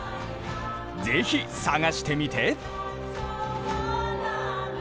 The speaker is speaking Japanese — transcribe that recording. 是非探してみて！